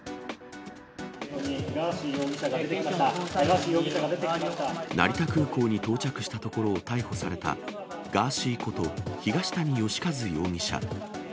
ガーシー容疑者が出てきまし成田空港に到着したところを逮捕された、ガーシーこと東谷義和容疑者。